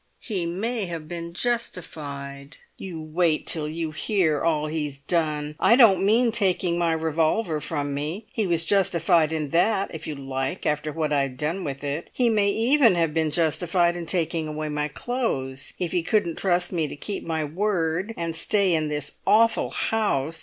"He may have been justified." "You wait till you hear all he's done! I don't mean taking my revolver from me; he was justified in that, if you like, after what I'd done with it. He may even have been justified in taking away my clothes, if he couldn't trust me to keep my word and stay in this awful house.